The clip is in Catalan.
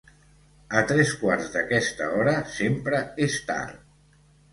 A tres quarts d'aquesta hora sempre és tard.